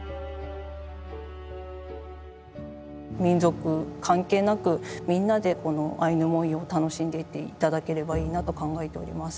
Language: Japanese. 民族関係なくみんなでこのアイヌ文様を楽しんでいって頂ければいいなと考えております。